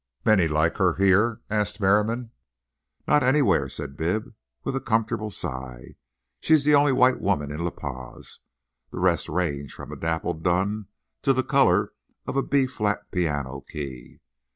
"Many like her here?" asked Merriam. "Not anywhere," said Bibb, with a comfortable sigh. She's the only white woman in La Paz. The rest range from a dappled dun to the colour of a b flat piano key.